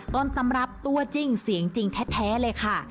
ต้นตำรับตัวจริงเสียงจริงแท้เลยค่ะ